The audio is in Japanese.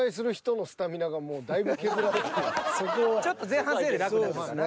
だいぶちょっと前半戦より楽になるのかな。